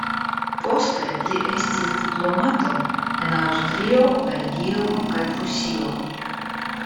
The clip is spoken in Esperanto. Poste li estis diplomato en Aŭstrio, Belgio kaj Prusio.